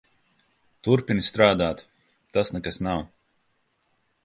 Turpini strādāt. Tas nekas nav.